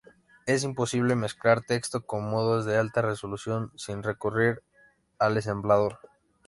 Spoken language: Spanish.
Es imposible mezclar texto con modos de alta resolución sin recurrir al Ensamblador.